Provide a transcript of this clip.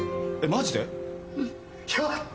マジで？